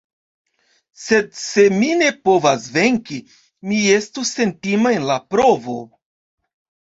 Sed se mi ne povas venki, mi estu sentima en la provo.